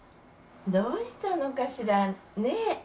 どうしたのかしらね？